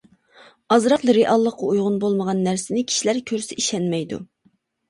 ئازراقلا رېئاللىققا ئۇيغۇن بولمىغان نەرسىنى كىشىلەر كۆرسە ئىشەنمەيدۇ.